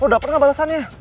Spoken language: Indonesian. lo dapet gak balesannya